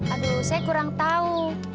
aduh saya kurang tahu